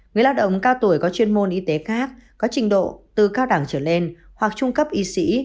người lao động cao tuổi có chuyên môn y tế khác có trình độ từ cao đẳng trở lên hoặc trung cấp y sĩ